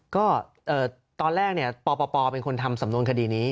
ก็ตอนแรกปปเป็นคนทำสำนวนคดีนี้